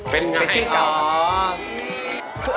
เป็นชื่อเก่าครับ